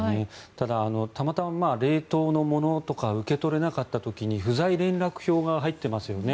ただ、たまたま冷凍のものとかを受け取れなかった時に不在連絡票が入っていますよね。